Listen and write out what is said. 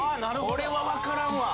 これは分からんわ。